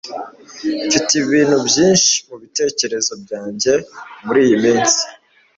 mfite ibintu byinshi mubitekerezo byanjye muriyi minsi